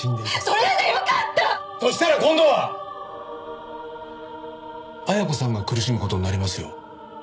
そしたら今度は恵子さんが苦しむ事になりますよ。